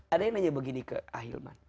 ada yang nanya begini ke ah hilman